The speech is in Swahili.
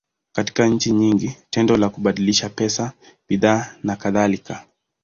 Katika nchi nyingi, tendo la kubadilishana pesa, bidhaa, nakadhalika.